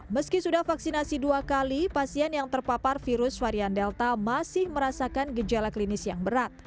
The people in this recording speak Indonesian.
meski sudah vaksinasi dua kali pasien yang terpapar virus varian delta masih merasakan gejala klinis yang berat